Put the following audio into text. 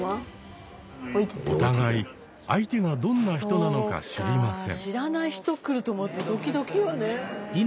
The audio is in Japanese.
お互い相手がどんな人なのか知りません。